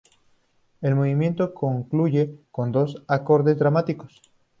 El movimiento concluye con dos acordes dramáticos.